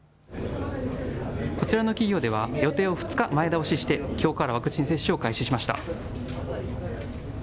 こちらの企業では予定を２日前倒ししてきょうからワクチン接種を開始しました。